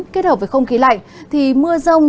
kết hợp với không khí lạnh thì mưa rông